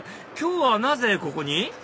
今日はなぜここに？